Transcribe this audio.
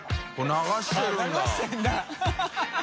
流してるんだ